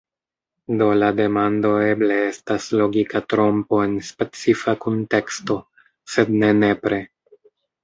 Do la demando eble estas logika trompo en specifa kunteksto, sed ne nepre.